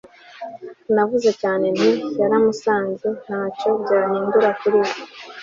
navuze cyane nti yaramusanze. ntacyo byahinduye kuri we